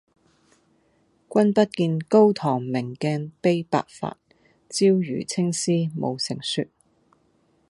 君不見高堂明鏡悲白髮，朝如青絲暮成雪